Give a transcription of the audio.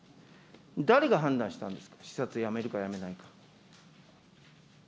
誰が判断したんですか、視察、やめるかやめないか。